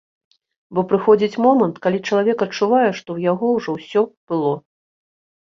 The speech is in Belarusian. Бо прыходзіць момант, калі чалавек адчувае, што ў яго ўжо ўсё было.